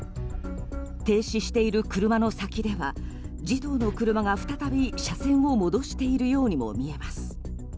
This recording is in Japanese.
停止している車の先では児童の車が再び車線を戻しているようにも見えます。